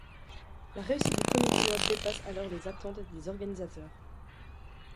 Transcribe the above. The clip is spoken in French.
La réussite du premier tournoi dépasse alors les attentes des organisateurs.